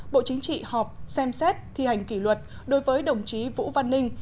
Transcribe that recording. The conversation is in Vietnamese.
bộ chính trị họp xem xét thi hành kỷ luật đối với đồng chí vũ văn ninh